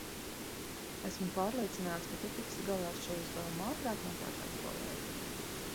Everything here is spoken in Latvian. Esmu pārliecināts, ka tu tiksi galā ar šo uzdevumu ātrāk, nekā tavi kolēģi.